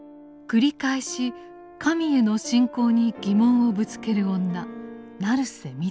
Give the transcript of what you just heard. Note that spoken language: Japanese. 繰り返し神への信仰に疑問をぶつける女成瀬美津子。